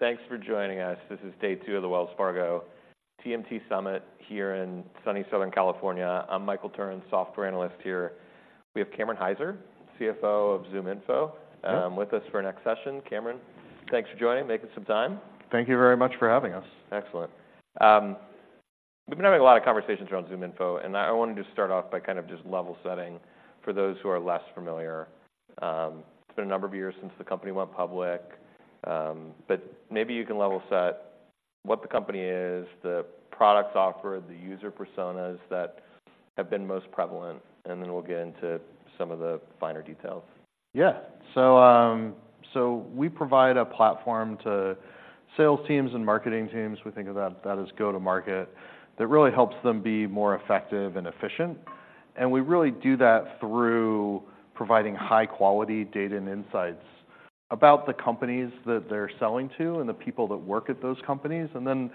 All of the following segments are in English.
Thanks for joining us. This is day two of the Wells Fargo TMT Summit here in sunny Southern California. I'm Michael Turrin, software analyst here. We have Cameron Hyzer, CFO of ZoomInfo- Yep With us for our next session. Cameron, thanks for joining, making some time. Thank you very much for having us. Excellent. We've been having a lot of conversations around ZoomInfo, and I wanted to start off by kind of just level-setting for those who are less familiar. It's been a number of years since the company went public, but maybe you can level-set what the company is, the products offered, the user personas that have been most prevalent, and then we'll get into some of the finer details. Yeah. So we provide a platform to sales teams and marketing teams, we think of that as go-to-market, that really helps them be more effective and efficient. We really do that through providing high-quality data and insights about the companies that they're selling to, and the people that work at those companies. Then,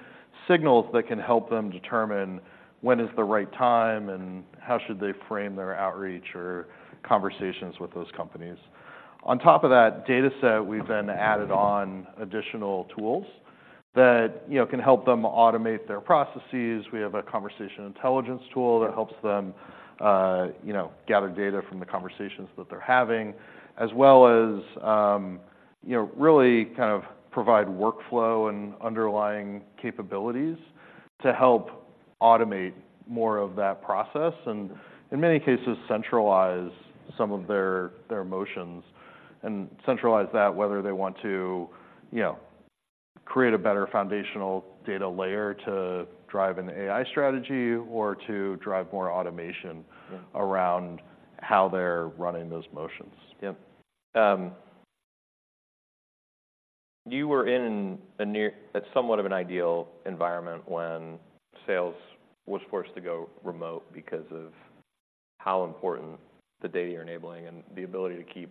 signals that can help them determine when is the right time, and how should they frame their outreach or conversations with those companies. On top of that dataset, we've then added on additional tools that, you know, can help them automate their processes. We have a conversation intelligence tool that helps them, you know, gather data from the conversations that they're having. As well as, you know, really kind of provide workflow and underlying capabilities to help automate more of that process, and in many cases, centralize some of their, their motions. And centralize that whether they want to, you know, create a better foundational data layer to drive an AI strategy, or to drive more automation around how they're running those motions. Yep. You were in a somewhat of an ideal environment when sales was forced to go remote because of how important the data you're enabling, and the ability to keep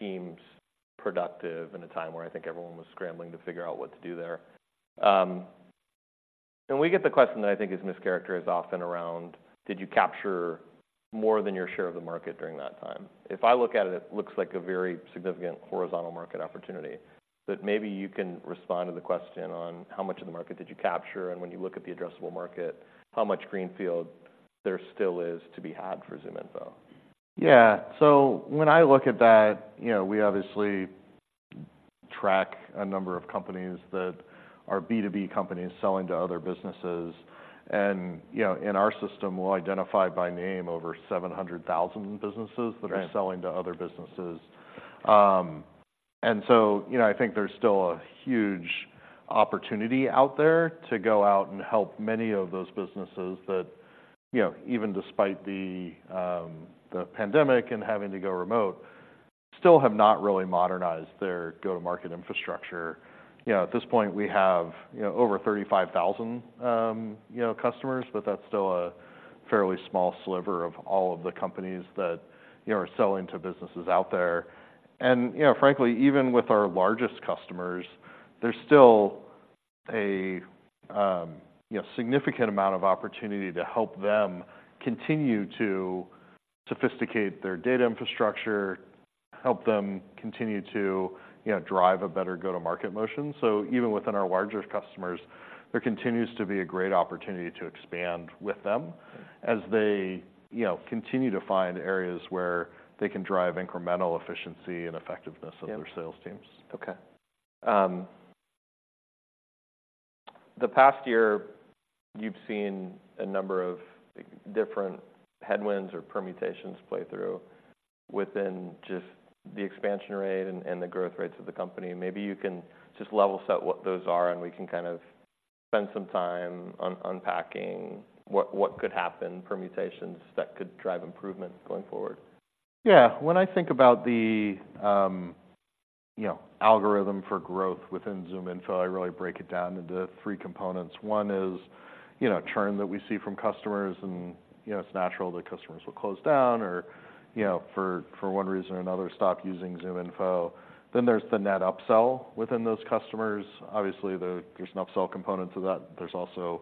teams productive in a time where I think everyone was scrambling to figure out what to do there. And we get the question that I think is mischaracterized often around: did you capture more than your share of the market during that time? If I look at it, it looks like a very significant horizontal market opportunity. But maybe you can respond to the question on how much of the market did you capture, and when you look at the addressable market, how much greenfield there still is to be had for ZoomInfo? Yeah. So when I look at that, you know, we obviously track a number of companies that are B2B companies selling to other businesses. And, you know, in our system, we'll identify by name over 700,000 businesses that are selling to other businesses. And so, you know, I think there's still a huge opportunity out there to go out and help many of those businesses that, you know, even despite the pandemic and having to go remote, still have not really modernized their go-to-market infrastructure. You know, at this point, we have, you know, over 35,000, you know, customers, but that's still a fairly small sliver of all of the companies that, you know, are selling to businesses out there. And, you know, frankly, even with our largest customers, there's still a, you know, significant amount of opportunity to help them continue to sophisticate their data infrastructure, help them continue to, you know, drive a better go-to-market motion. So even within our larger customers, there continues to be a great opportunity to expand with them as they, you know, continue to find areas where they can drive incremental efficiency and effectiveness of their sales teams. Okay. The past year, you've seen a number of, like, different headwinds or permutations play through within just the expansion rate and the growth rates of the company. Maybe you can just level-set what those are, and we can kind of spend some time unpacking what could happen, permutations that could drive improvement going forward. Yeah. When I think about the, you know, algorithm for growth within ZoomInfo, I really break it down into three components. One is, you know, churn that we see from customers and, you know, it's natural that customers will close down or, you know, for one reason or another, stop using ZoomInfo. Then there's the net upsell within those customers. Obviously, there's an upsell component to that. There's also,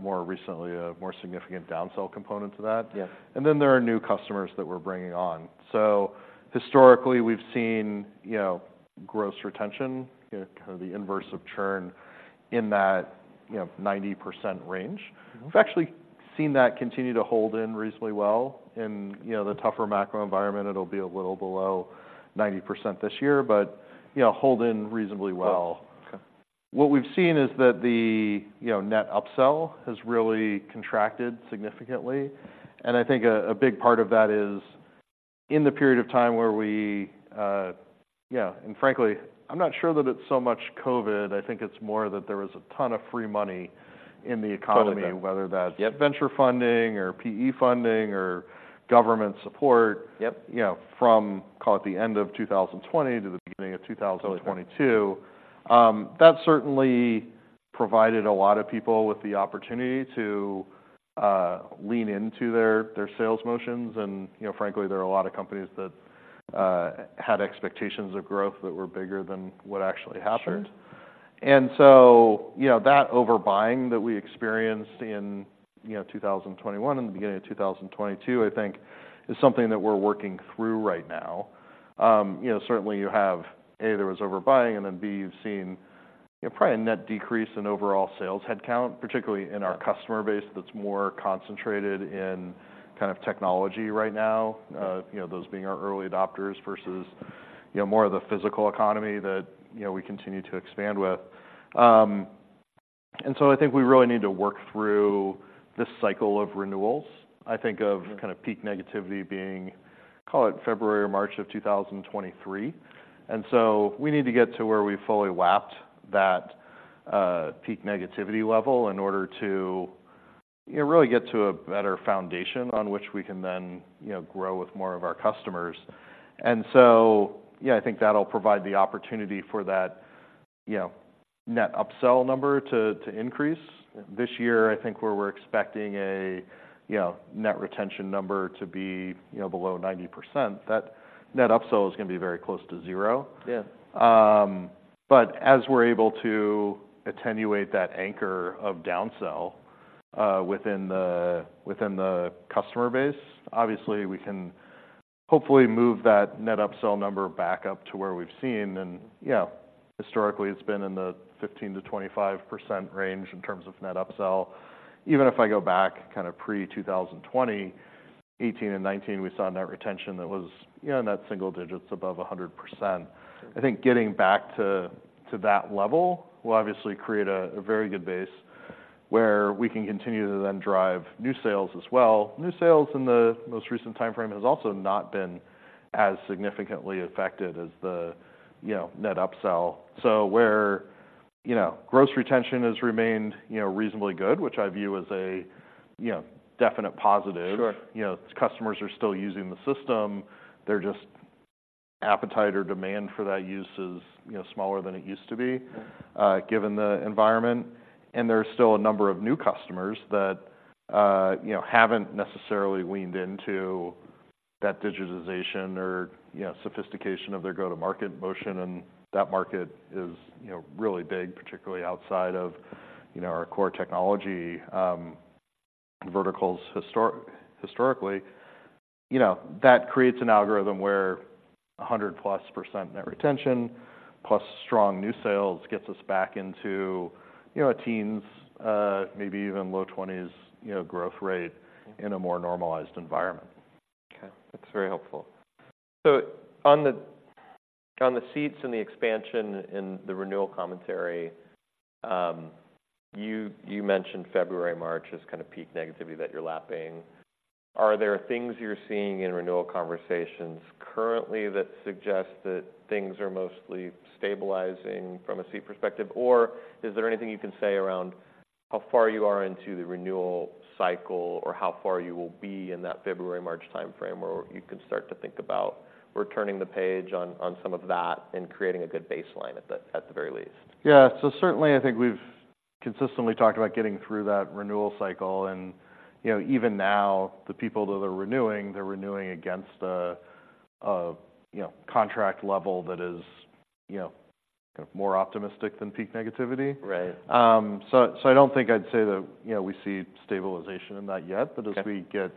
more recently, a more significant downsell component to that. And then there are new customers that we're bringing on. So historically, we've seen, you know, gross retention, you know, kind of the inverse of churn, in that, you know, 90% range. We've actually seen that continue to hold in reasonably well in, you know, the tougher macro environment. It'll be a little below 90% this year, but, you know, hold in reasonably well. What we've seen is that, you know, the Net Upsell has really contracted significantly, and I think a big part of that is in the period of time where we, and frankly, I'm not sure that it's so much COVID. I think it's more that there was a ton of free money in the economy whether that's venture funding or PE funding or government support from you know, from, call it, the end of 2020 to the beginning of 2022. That certainly provided a lot of people with the opportunity to lean into their, their sales motions. And, you know, frankly, there are a lot of companies that had expectations of growth that were bigger than what actually happened. And so, you know, that overbuying that we experienced in, you know, 2021 and the beginning of 2022, I think is something that we're working through right now. You know, certainly you have, A, there was overbuying, and then, B, you've seen, you know, probably a net decrease in overall sales headcount, particularly in our customer base that's more concentrated in kind of technology right now. You know, those being our early adopters versus, you know, more of the physical economy that, you know, we continue to expand with and so I think we really need to work through this cycle of renewals. I think of kind of peak negativity being, call it February or March of 2023. And so we need to get to where we've fully lapped that peak negativity level in order to, you know, really get to a better foundation on which we can then, you know, grow with more of our customers. And so, yeah, I think that'll provide the opportunity for that, you know, net upsell number to increase. This year, I think where we're expecting a, you know, net retention number to be, you know, below 90%, that net upsell is gonna be very close to zero. But as we're able to attenuate that anchor of downsell within the customer base, obviously, we can hopefully move that net upsell number back up to where we've seen. Yeah, historically, it's been in the 15%-25% range in terms of net upsell. Even if I go back kind of pre-2020, 2018 and 2019, we saw net retention that was, you know, net single digits above 100%. I think getting back to that level will obviously create a very good base where we can continue to then drive new sales as well. New sales in the most recent timeframe has also not been as significantly affected as the, you know, net upsell. So where, you know, gross retention has remained, you know, reasonably good, which I view as a, you know, definite positive. You know, customers are still using the system, they're just appetite or demand for that use is, you know, smaller than it used to be, given the environment. And there are still a number of new customers that, you know, haven't necessarily weaned into that digitization or, you know, sophistication of their go-to-market motion, and that market is, you know, really big, particularly outside of, you know, our core technology, verticals historically. You know, that creates an algorithm where 100%+ net retention, plus strong new sales gets us back into, you know, teens, maybe even low twenties, you know, growth rate in a more normalized environment. Okay, that's very helpful. So on the seats and the expansion in the renewal commentary, you mentioned February, March as kind of peak negativity that you're lapping. Are there things you're seeing in renewal conversations currently that suggest that things are mostly stabilizing from a seat perspective? Or is there anything you can say around how far you are into the renewal cycle, or how far you will be in that February-March timeframe, where you can start to think about returning the page on some of that and creating a good baseline at the very least? Yeah. So certainly, I think we've consistently talked about getting through that renewal cycle and, you know, even now, the people that are renewing, they're renewing against a, you know, contract level that is, you know, more optimistic than peak negativity. So, I don't think I'd say that, you know, we see stabilization in that yet. But as we get,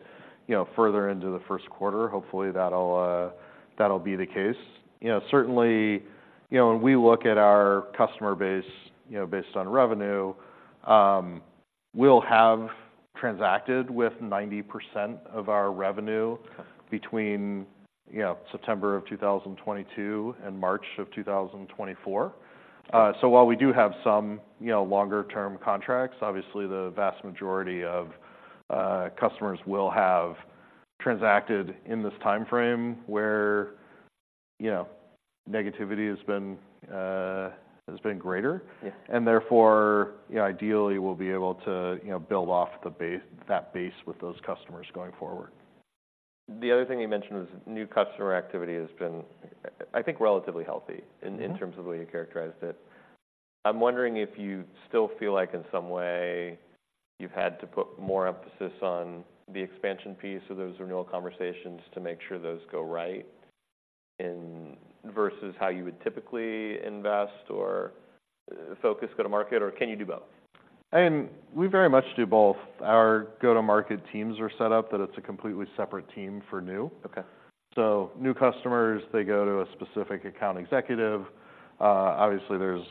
you know, further into Q1, hopefully that'll, that'll be the case. You know, certainly, you know, when we look at our customer base, you know, based on revenue, we'll have transacted with 90% of our revenue between, you know, September of 2022 and March of 2024. So while we do have some, you know, longer term contracts, obviously, the vast majority of customers will have transacted in this timeframe where, you know, negativity has been, has been greater. Therefore, you know, ideally, we'll be able to, you know, build off that base with those customers going forward. The other thing you mentioned was new customer activity has been, I think, relatively healthy. In terms of the way you characterized it. I'm wondering if you still feel like, in some way, you've had to put more emphasis on the expansion piece of those renewal conversations to make sure those go right in, versus how you would typically invest or focus go-to-market, or can you do both? We very much do both. Our go-to-market teams are set up, that it's a completely separate team for new. Okay. So new customers, they go to a specific account executive. Obviously, there's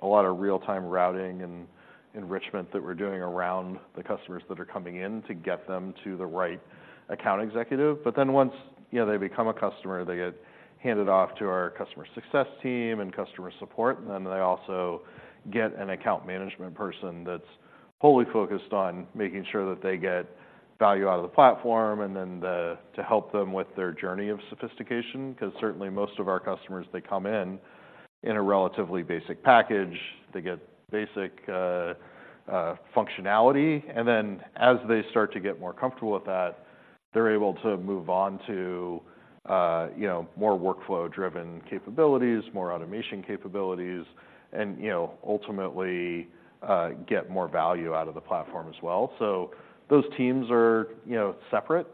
a lot of real-time routing and enrichment that we're doing around the customers that are coming in to get them to the right account executive. But then once, you know, they become a customer, they get handed off to our customer success team and customer support, and then they also get an account management person that's wholly focused on making sure that they get value out of the platform, and then to help them with their journey of sophistication. 'Cause certainly, most of our customers, they come in in a relatively basic package. They get basic functionality, and then as they start to get more comfortable with that, they're able to move on to, you know, more workflow-driven capabilities, more automation capabilities, and, you know, ultimately, get more value out of the platform as well. So those teams are, you know, separate.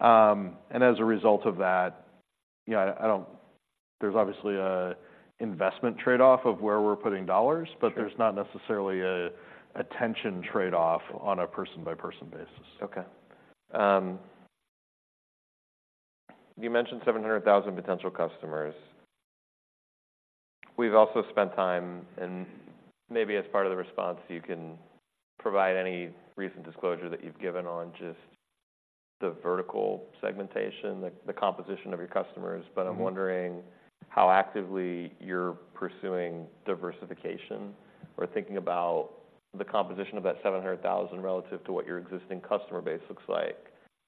And as a result of that... Yeah, I don't. There's obviously an investment trade-off of where we're putting dollars. Sure. But there's not necessarily an attention trade-off on a person-by-person basis. Okay. You mentioned 700,000 potential customers. We've also spent time, and maybe as part of the response, you can provide any recent disclosure that you've given on just the vertical segmentation, the composition of your customers. I'm wondering how actively you're pursuing diversification, or thinking about the composition of that 700,000 relative to what your existing customer base looks like,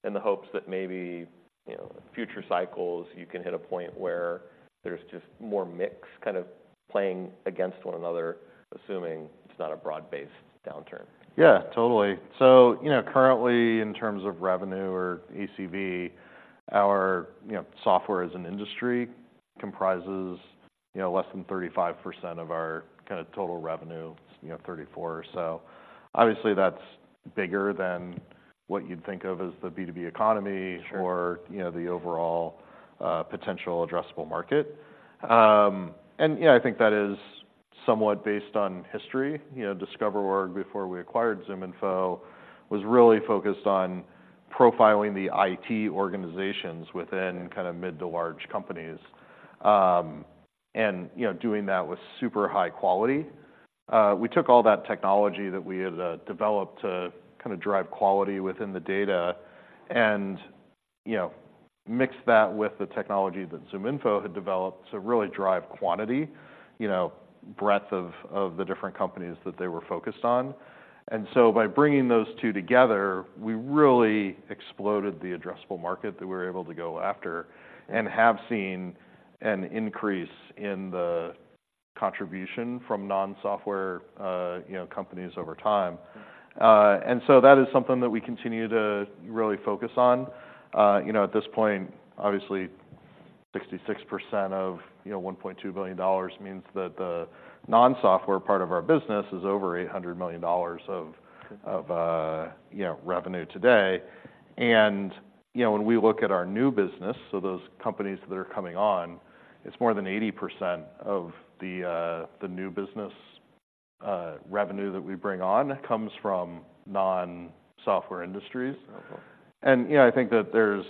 in the hopes that maybe, you know, future cycles, you can hit a point where there's just more mix kind of playing against one another, assuming it's not a broad-based downturn. Yeah, totally. So, you know, currently, in terms of revenue or ACV, our, you know, software as an industry comprises, you know, less than 35% of our kinda total revenue, you know, 34 or so. Obviously, that's bigger than what you'd think of as the B2B economy or, you know, the overall potential addressable market. Yeah, I think that is somewhat based on history. You know, DiscoverOrg, before we acquired ZoomInfo, was really focused on profiling the IT organizations within kinda mid to large companies, and, you know, doing that with super high quality. We took all that technology that we had developed to kinda drive quality within the data and, you know, mixed that with the technology that ZoomInfo had developed to really drive quantity, you know, breadth of the different companies that they were focused on. And so by bringing those two together, we really exploded the addressable market that we're able to go after, and have seen an increase in the contribution from non-software, you know, companies over time. And so that is something that we continue to really focus on. You know, at this point, obviously, 66% of, you know, $1.2 billion means that the non-software part of our business is over $800 million of you know, revenue today. And, you know, when we look at our new business, so those companies that are coming on, it's more than 80% of the new business revenue that we bring on comes from non-software industries. You know, I think that there's...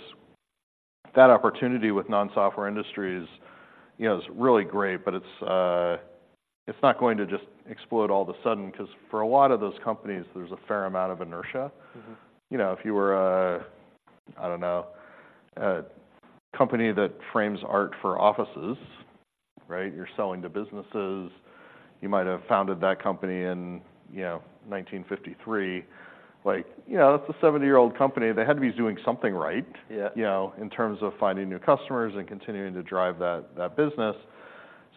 That opportunity with non-software industries, you know, is really great, but it's, it's not going to just explode all of a sudden, 'cause for a lot of those companies, there's a fair amount of inertia. You know, if you were a, I don't know, a company that frames art for offices, right? You're selling to businesses. You might have founded that company in, you know, 1953. Like, you know, that's a 70-year-old company, they had to be doing something right in terms of finding new customers and continuing to drive that, that business.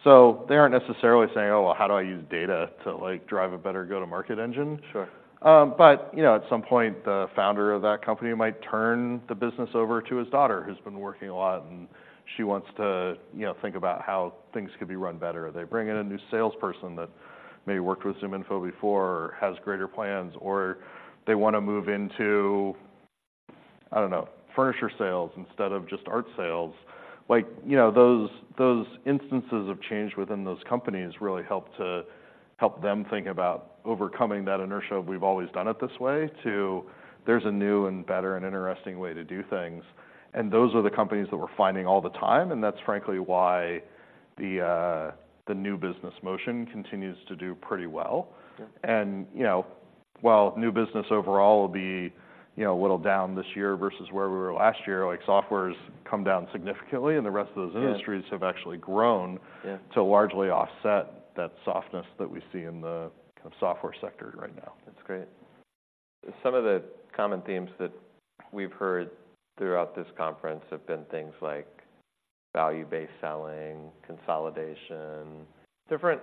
So they aren't necessarily saying: "Oh, well, how do I use data to, like, drive a better go-to-market engine? Sure. But, you know, at some point, the founder of that company might turn the business over to his daughter, who's been working a lot, and she wants to, you know, think about how things could be run better. They bring in a new salesperson that maybe worked with ZoomInfo before, or has greater plans, or they wanna move into, I don't know, furniture sales instead of just art sales. Like, you know, those, those instances of change within those companies really help to help them think about overcoming that inertia of, "We've always done it this way," to, "There's a new and better and interesting way to do things." And those are the companies that we're finding all the time, and that's frankly why the new business motion continues to do pretty well. You know, while new business overall will be, you know, a little down this year versus where we were last year, like, software's come down significantly, and the rest of those industries have actually grown to largely offset that softness that we see in the software sector right now. That's great. Some of the common themes that we've heard throughout this conference have been things like value-based selling, consolidation, different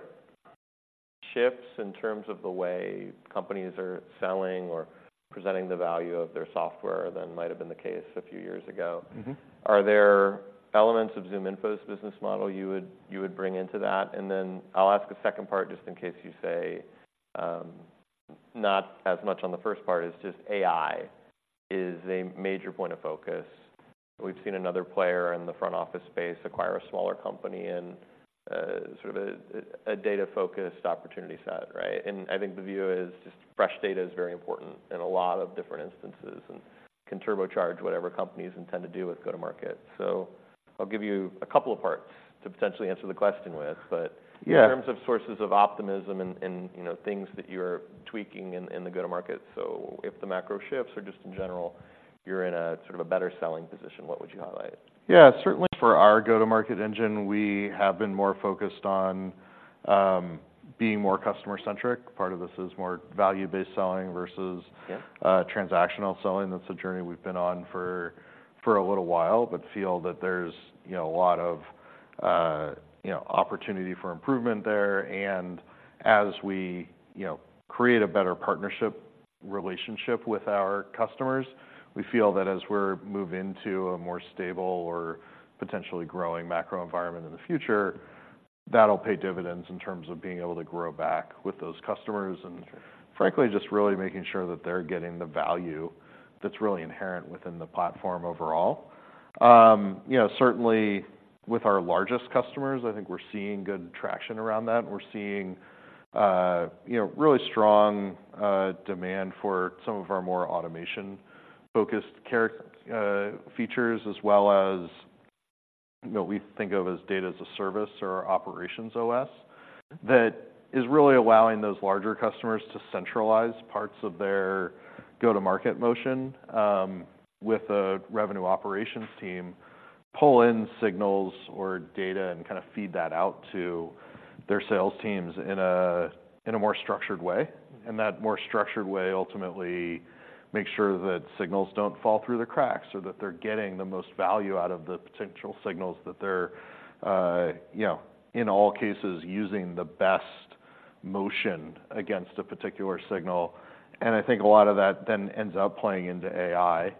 shifts in terms of the way companies are selling or presenting the value of their software than might have been the case a few years ago. Are there elements of ZoomInfo's business model you would, you would bring into that? And then I'll ask a second part, just in case you say, not as much on the first part, is just AI is a major point of focus. We've seen another player in the front office space acquire a smaller company in, sort of a data-focused opportunity set, right? And I think the view is just fresh data is very important in a lot of different instances, and can turbocharge whatever companies intend to do with go-to-market. So I'll give you a couple of parts to potentially answer the question with, but in terms of sources of optimism and, you know, things that you're tweaking in the go-to-market, so if the macro shifts or just in general, you're in a sort of a better selling position, what would you highlight? Yeah, certainly for our go-to-market engine, we have been more focused on being more customer-centric. Part of this is more value-based selling versus transactional selling. That's a journey we've been on for, for a little while, but feel that there's, you know, a lot of, you know, opportunity for improvement there. And as we, you know, create a better partnership relationship with our customers, we feel that as we're move into a more stable or potentially growing macro environment in the future... that'll pay dividends in terms of being able to grow back with those customers, and frankly, just really making sure that they're getting the value that's really inherent within the platform overall. You know, certainly with our largest customers, I think we're seeing good traction around that, and we're seeing, you know, really strong demand for some of our more automation-focused features, as well as, you know, what we think of as Data as a Service or our Operations OS, that is really allowing those larger customers to centralize parts of their go-to-market motion, with a revenue operations team, pull in signals or data and kinda feed that out to their sales teams in a more structured way. And that more structured way ultimately makes sure that signals don't fall through the cracks, or that they're getting the most value out of the potential signals that they're, you know, in all cases, using the best motion against a particular signal. I think a lot of that then ends up playing into AI,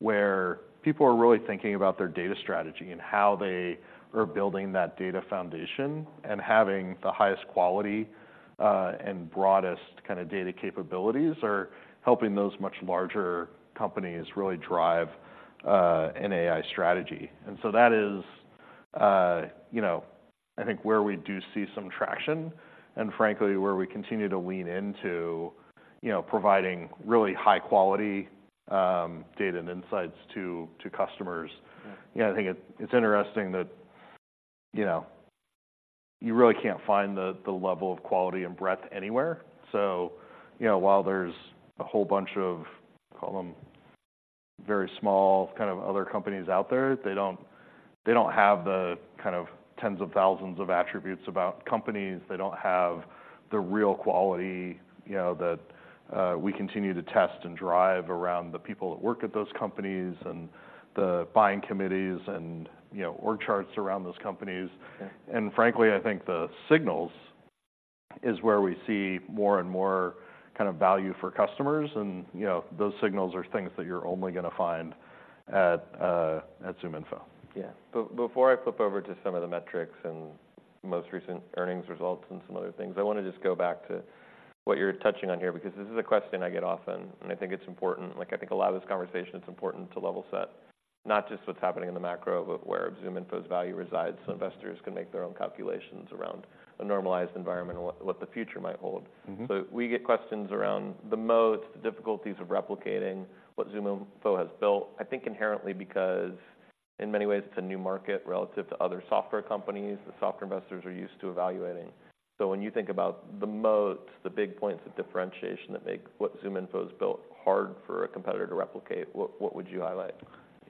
where people are really thinking about their data strategy and how they are building that data foundation. Having the highest quality and broadest kinda data capabilities are helping those much larger companies really drive an AI strategy. So that is, you know, I think, where we do see some traction, and frankly, where we continue to lean into, you know, providing really high-quality data and insights to customers. You know, I think it, it's interesting that, you know, you really can't find the, the level of quality and breadth anywhere. So, you know, while there's a whole bunch of, call them very small, kind of other companies out there, they don't, they don't have the kind of tens of thousands of attributes about companies. They don't have the real quality, you know, that, we continue to test and drive around the people that work at those companies and the buying committees and, you know, org charts around those companies. And frankly, I think the signals is where we see more and more kind of value for customers, and, you know, those signals are things that you're only gonna find at ZoomInfo. Yeah. Before I flip over to some of the metrics and most recent earnings results and some other things, I wanna just go back to what you're touching on here, because this is a question I get often, and I think it's important. Like, I think a lot of this conversation, it's important to level set, not just what's happening in the macro, but where ZoomInfo's value resides, so investors can make their own calculations around a normalized environment and what, what the future might hold. So we get questions around the moats, the difficulties of replicating what ZoomInfo has built, I think inherently because, in many ways, it's a new market relative to other software companies, that software investors are used to evaluating. So when you think about the moats, the big points of differentiation that make what ZoomInfo's built hard for a competitor to replicate, what, what would you highlight?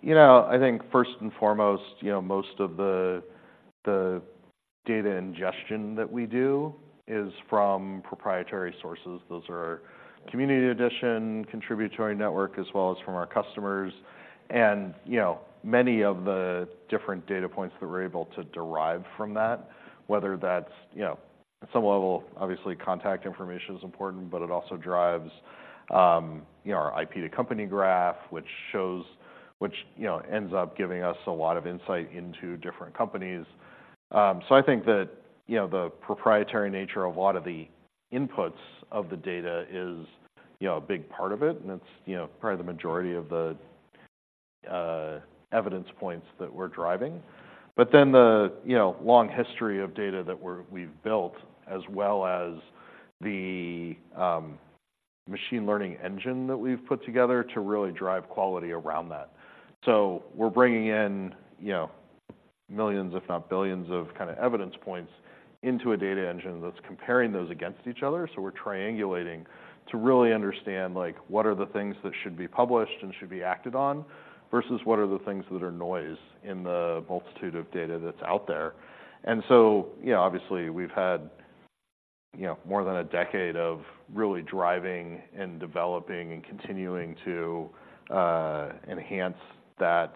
You know, I think first and foremost, you know, most of the data ingestion that we do is from proprietary sources. Those are our Community Edition, Contributory Network, as well as from our customers. And, you know, many of the different data points that we're able to derive from that, whether that's... You know, at some level, obviously, contact information is important, but it also drives, you know, our IP-to-Company Graph, which, you know, ends up giving us a lot of insight into different companies. So I think that, you know, the proprietary nature of a lot of the inputs of the data is, you know, a big part of it, and it's, you know, probably the majority of the evidence points that we're driving. But then you give long history of data that we've built, as well as the machine learning engine that we've put together to really drive quality around that. So we're bringing in, you know, millions, if not billions, of kinda evidence points into a data engine that's comparing those against each other. So we're triangulating to really understand, like, what are the things that should be published and should be acted on, versus what are the things that are noise in the multitude of data that's out there? And so, you know, obviously, we've had, you know, more than a decade of really driving and developing and continuing to enhance that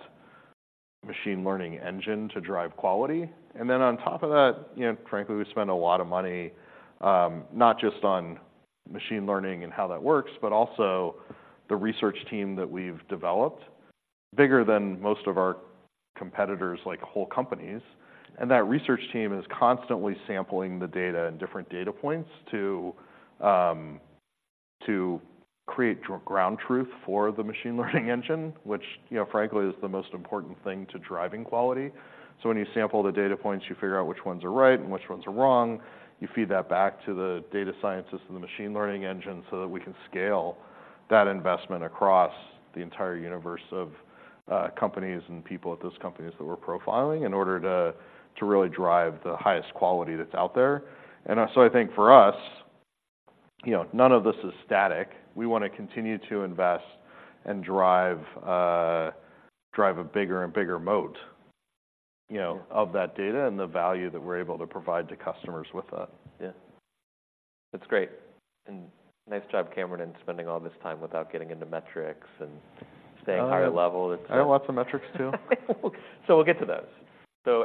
machine learning engine to drive quality. And then on top of that, you know, frankly, we spend a lot of money, not just on machine learning and how that works, but also the research team that we've developed, bigger than most of our competitors, like whole companies. And that research team is constantly sampling the data and different data points to, to create ground truth for the machine learning engine, which, you know, frankly, is the most important thing to driving quality. So when you sample the data points, you figure out which ones are right and which ones are wrong. You feed that back to the data scientists and the machine learning engine, so that we can scale that investment across the entire universe of, companies and people at those companies that we're profiling, in order to, to really drive the highest quality that's out there. So I think for us, you know, none of this is static. We wanna continue to invest and drive, drive a bigger and bigger moat, you know of that data and the value that we're able to provide to customers with that. Yeah. That's great, and nice job, Cameron, in spending all this time without getting into metrics and staying higher level. It's, Yeah, lots of metrics, too. So we'll get to those. So,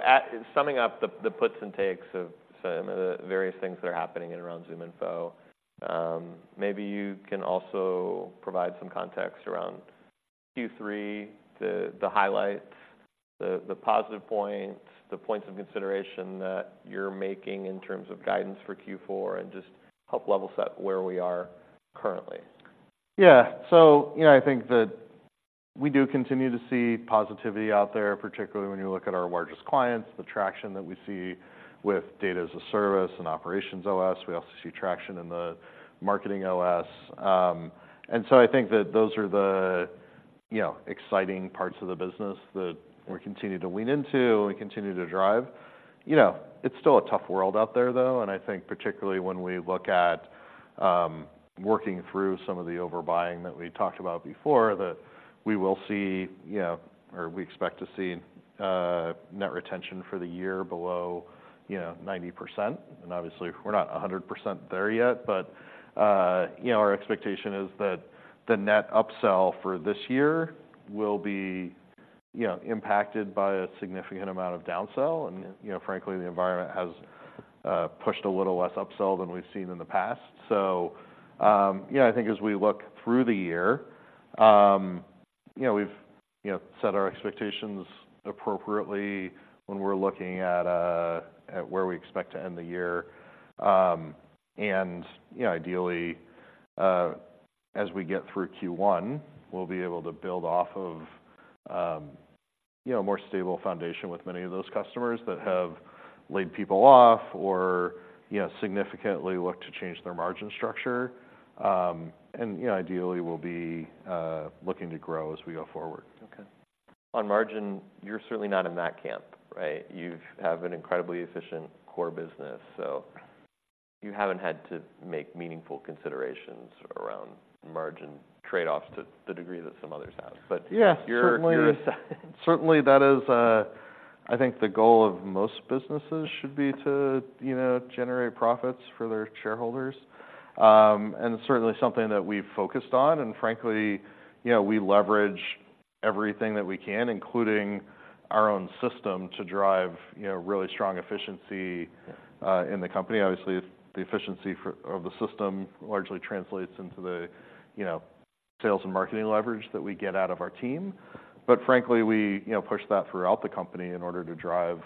summing up the puts and takes of some of the various things that are happening in and around ZoomInfo, maybe you can also provide some context around Q3, the highlights, the positive points, the points of consideration that you're making in terms of guidance for Q4, and just help level set where we are currently. Yeah. So, you know, I think that we do continue to see positivity out there, particularly when you look at our largest clients, the traction that we see with Data as a Service and Operations OS. We also see traction in the Marketing OS. And so I think that those are the, you know, exciting parts of the business that we continue to lean into and continue to drive. You know, it's still a tough world out there, though, and I think particularly when we look at working through some of the overbuying that we talked about before, that we will see, you know, or we expect to see, Net Retention for the year below, you know, 90%. Obviously, we're not 100% there yet, but, you know, our expectation is that the net upsell for this year will be, you know, impacted by a significant amount of downsell and, you know, frankly, the environment has pushed a little less upsell than we've seen in the past. So, yeah, I think as we look through the year, you know, we've, you know, set our expectations appropriately when we're looking at where we expect to end the year. And, you know, ideally, as we get through Q1, we'll be able to build off of, you know, a more stable foundation with many of those customers that have laid people off or, you know, significantly look to change their margin structure. And, you know, ideally, we'll be looking to grow as we go forward. Okay. On margin, you're certainly not in that camp, right? You have an incredibly efficient core business, so you haven't had to make meaningful considerations around margin trade-offs to the degree that some others have. But- Yeah, certainly that is, I think the goal of most businesses should be to, you know, generate profits for their shareholders. And certainly something that we've focused on, and frankly, you know, we leverage everything that we can, including our own system, to drive, you know, really strong efficiency in the company. Obviously, the efficiency of the system largely translates into the, you know, sales and marketing leverage that we get out of our team. But frankly, we, you know, push that throughout the company in order to drive,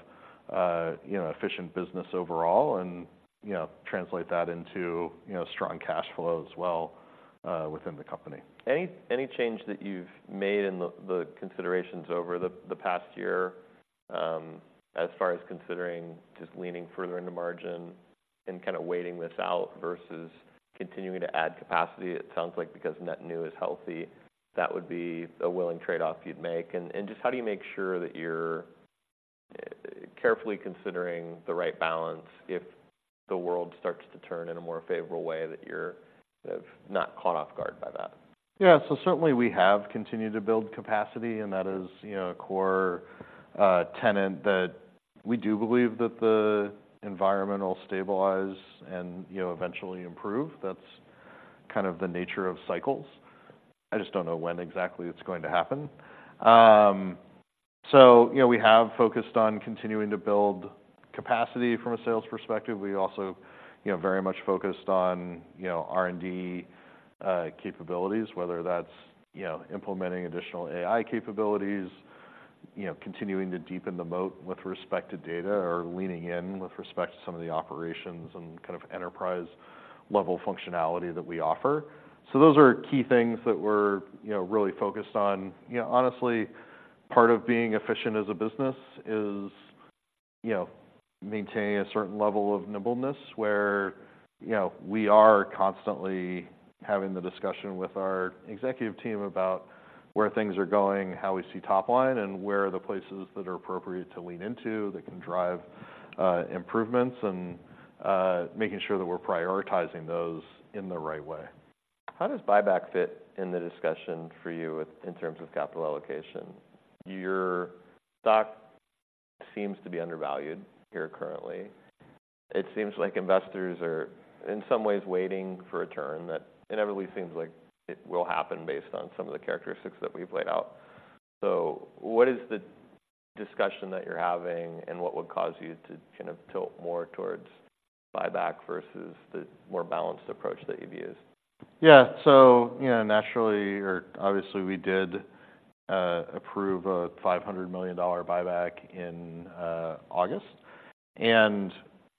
you know, efficient business overall and, you know, translate that into, you know, strong cash flow as well, within the company. Any change that you've made in the considerations over the past year, as far as considering just leaning further into margin and kinda waiting this out versus continuing to add capacity? It sounds like because net new is healthy, that would be a willing trade-off you'd make. And just how do you make sure that you're carefully considering the right balance if the world starts to turn in a more favorable way, that you're not caught off guard by that? Yeah. So certainly we have continued to build capacity, and that is, you know, a core tenet, that we do believe that the environment will stabilize and, you know, eventually improve. That's kind of the nature of cycles. I just don't know when exactly it's going to happen. So, you know, we have focused on continuing to build capacity from a sales perspective. We also, you know, very much focused on, you know, R&D capabilities, whether that's, you know, implementing additional AI capabilities, you know, continuing to deepen the moat with respect to data, or leaning in with respect to some of the operations and kind of enterprise-level functionality that we offer. So those are key things that we're, you know, really focused on. You know, honestly, part of being efficient as a business is, you know, maintaining a certain level of nimbleness, where, you know, we are constantly having the discussion with our executive team about where things are going, how we see top line, and where are the places that are appropriate to lean into that can drive improvements, and making sure that we're prioritizing those in the right way. How does buyback fit in the discussion for you within terms of capital allocation? Your stock seems to be undervalued here currently. It seems like investors are, in some ways, waiting for a turn that inevitably seems like it will happen based on some of the characteristics that we've laid out. What is the discussion that you're having, and what would cause you to kind of tilt more towards buyback versus the more balanced approach that you've used? Yeah. So, you know, naturally, or obviously, we did approve a $500 million buyback in August. And,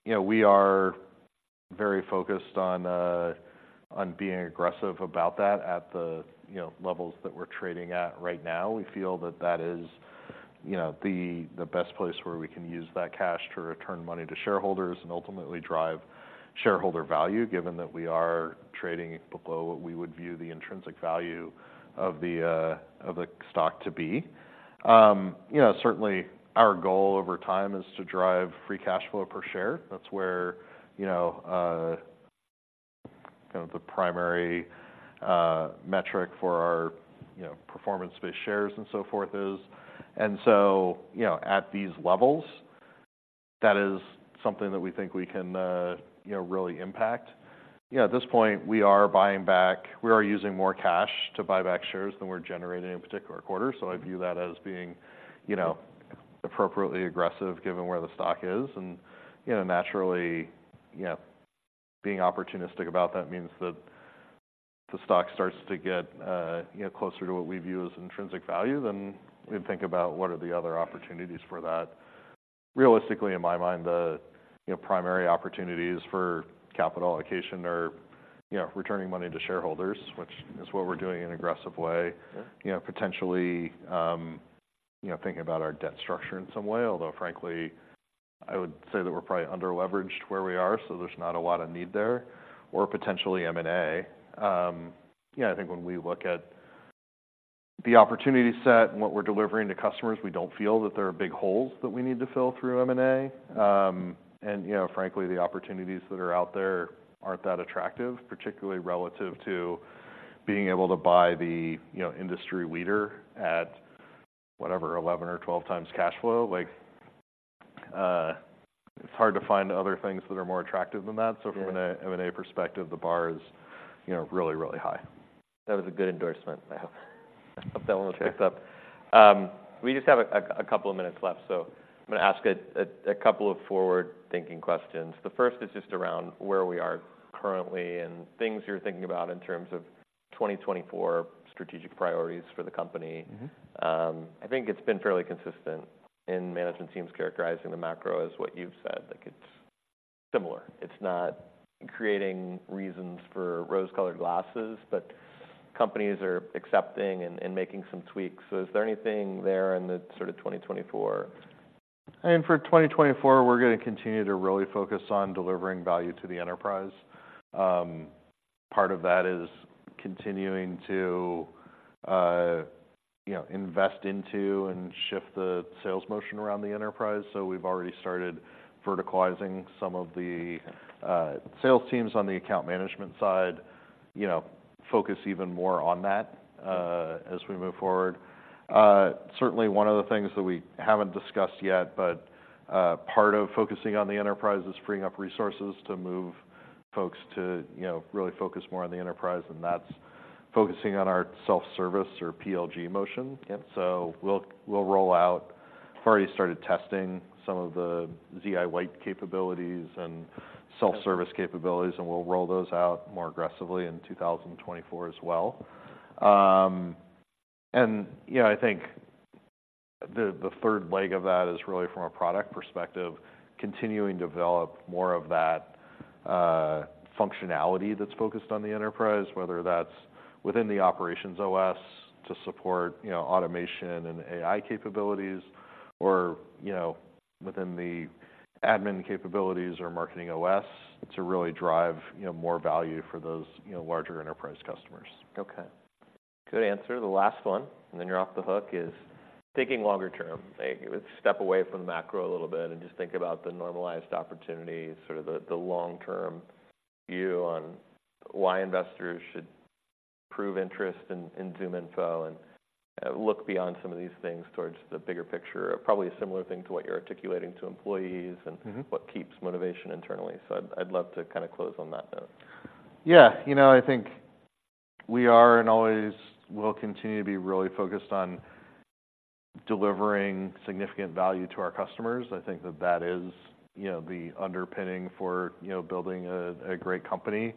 you know, we are very focused on being aggressive about that at the, you know, levels that we're trading at right now. We feel that that is, you know, the, the best place where we can use that cash to return money to shareholders and ultimately drive shareholder value, given that we are trading below what we would view the intrinsic value of the, of the stock to be. You know, certainly, our goal over time is to drive free cash flow per share. That's where, you know, kind of the primary metric for our, you know, performance-based shares and so forth is. And so, you know, at these levels, that is something that we think we can, you know, really impact. Yeah, at this point, we are using more cash to buy back shares than we're generating in a particular quarter, so I view that as being, you know, appropriately aggressive, given where the stock is. And, you know, naturally, being opportunistic about that means that if the stock starts to get, you know, closer to what we view as intrinsic value, then we'd think about what are the other opportunities for that. Realistically, in my mind, the, you know, primary opportunities for capital allocation are, you know, returning money to shareholders, which is what we're doing in an aggressive way. Yeah. You know, potentially, you know, thinking about our debt structure in some way, although frankly, I would say that we're probably under-leveraged where we are, so there's not a lot of need there, or potentially M&A. Yeah, I think when we look at the opportunity set and what we're delivering to customers, we don't feel that there are big holes that we need to fill through M&A. And, you know, frankly, the opportunities that are out there aren't that attractive, particularly relative to being able to buy the, you know, industry leader at whatever, 11x or 12x cash flow. Like, it's hard to find other things that are more attractive than that. Yeah. From an M&A perspective, the bar is, you know, really, really high. That was a good endorsement. I hope, I hope that one was picked up. Sure. We just have a couple of minutes left, so I'm gonna ask a couple of forward-thinking questions. The first is just around where we are currently and things you're thinking about in terms of 2024 strategic priorities for the company. I think it's been fairly consistent in management teams characterizing the macro as what you've said, like, it's similar. It's not creating reasons for rose-colored glasses, but companies are accepting and, and making some tweaks. Is there anything there in the sort of 2024? I think for 2024, we're gonna continue to really focus on delivering value to the enterprise. Part of that is continuing to, you know, invest into and shift the sales motion around the enterprise. So we've already started verticalizing some of the sales teams on the account management side, you know, focus even more on that as we move forward. Certainly one of the things that we haven't discussed yet, but, part of focusing on the enterprise is freeing up resources to move folks to, you know, really focus more on the enterprise, and that's focusing on our self-service or PLG motion. So we'll roll out. We've already started testing some of the ZI Lite capabilities and self-service capabilities, and we'll roll those out more aggressively in 2024 as well. You know, I think the third leg of that is really from a product perspective, continuing to develop more of that functionality that's focused on the enterprise, whether that's within the Operations OS to support, you know, automation and AI capabilities or, you know, within the Admin capabilities or Marketing OS to really drive, you know, more value for those, you know, larger enterprise customers. Okay. Good answer. The last one, and then you're off the hook, is taking longer term. Like, step away from the macro a little bit and just think about the normalized opportunity, sort of the long-term view on why investors should prove interest in ZoomInfo and look beyond some of these things towards the bigger picture. Probably a similar thing to what you're articulating to employees and what keeps motivation internally. So I'd, I'd love to kinda close on that note. Yeah. You know, I think we are and always will continue to be really focused on delivering significant value to our customers. I think that that is, you know, the underpinning for, you know, building a, a great company.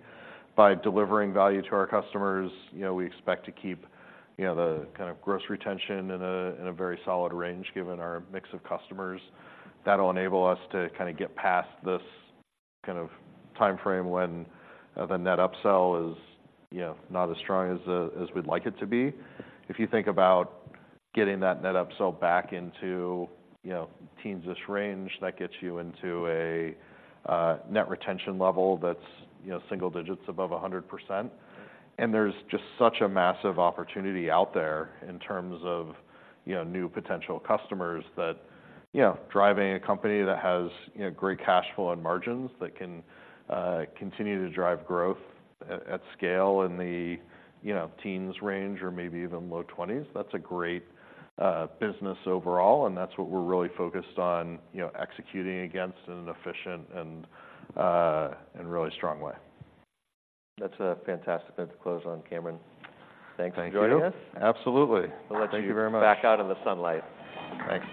By delivering value to our customers, you know, we expect to keep, you know, the kind of gross retention in a, in a very solid range, given our mix of customers. That'll enable us to kinda get past this kind of time frame when the net upsell is, you know, not as strong as as we'd like it to be. If you think about getting that net upsell back into, you know, teensish range, that gets you into a net retention level that's, you know, single digits above 100%. There's just such a massive opportunity out there in terms of, you know, new potential customers that, you know, driving a company that has, you know, great cash flow and margins that can continue to drive growth at scale in the, you know, teens range or maybe even low twenties. That's a great business overall, and that's what we're really focused on, you know, executing against in an efficient and in a really strong way. That's a fantastic note to close on, Cameron. Thank you. Thanks for joining us. Absolutely. We'll let you- Thank you very much.... back out in the sunlight. Thanks.